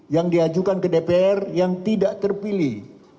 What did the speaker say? yang diajukan ke dpr yang tidak terpilih